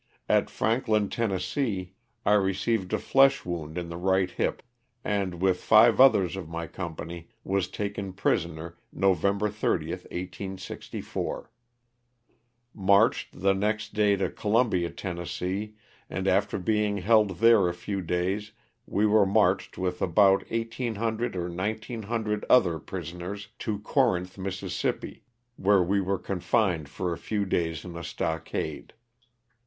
At Franklin, Tenn., I received a flesh wound in the right hip, and, with five others of my company, was taken prisoner, November 30, 1864. Marched the next day to Columbia, Tenn., and after being held there a few days we were marched with about 1,800 or 1,900 other prisoners to Corinth, Miss., where we were con fined for a few days in a stockade.